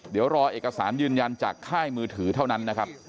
เดี๋ยวรอเอกสารยืนยันจากค่ายมือถือเท่านั้นนะครับ